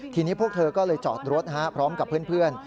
ทีนี้พวกเธอก็เลยจอดรถพร้อมกับเพื่อน